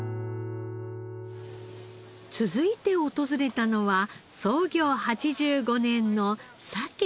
続いて訪れたのは創業８５年のサケ専門店。